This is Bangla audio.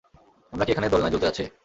আমরা কী এখানে দোলনায় দুলতে যাচ্ছি?